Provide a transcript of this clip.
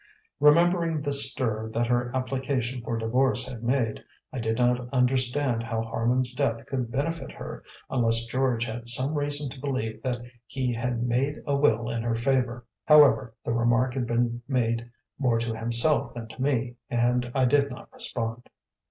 Remembering the stir that her application for divorce had made, I did not understand how Harman's death could benefit her, unless George had some reason to believe that he had made a will in her favour. However, the remark had been made more to himself than to me and I did not respond.